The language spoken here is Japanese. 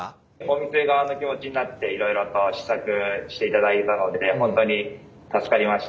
お店側の気持ちになっていろいろと試作していただいたので本当に助かりました。